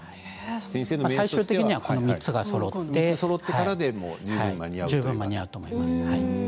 最終的にはこの３つがそろってからで十分間に合うと思います。